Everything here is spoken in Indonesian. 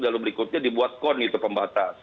lalu berikutnya dibuat kon itu pembatas